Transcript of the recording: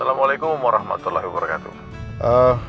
assalamualaikum warahmatullahi wabarakatuh